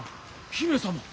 姫様！